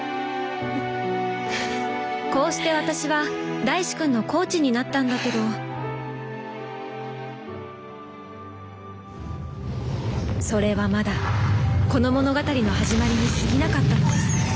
こうして私は大志くんのコーチになったんだけどそれはまだこの物語の始まりに過ぎなかったのです